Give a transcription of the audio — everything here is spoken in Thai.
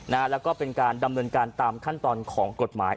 แล้วก็เป็นการดำเนินการตามขั้นตอนของกฎหมาย